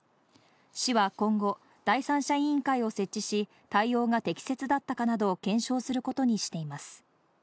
市は今後、第三者委員会を設置し、対応が適切だったかなどを検証することにしています。